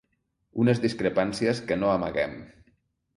Unes discrepàncies que no amaguem.